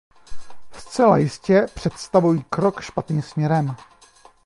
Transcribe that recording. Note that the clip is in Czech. Zcela jistě představují krok špatným směrem.